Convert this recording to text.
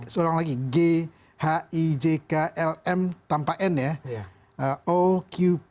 seulang lagi g h i j k l m tanpa n ya o q p